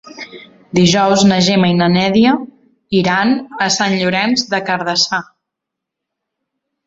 Dijous na Gemma i na Neida iran a Sant Llorenç des Cardassar.